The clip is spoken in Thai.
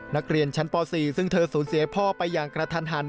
นักเรียนชั้นป๔ซึ่งเธอสูญเสียพ่อไปอย่างกระทันหัน